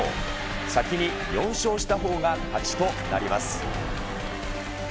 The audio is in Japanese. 先に４勝したほうが勝ちとなります。